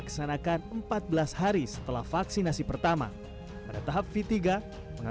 kalau saya melihat ini